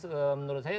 bukan menurut saya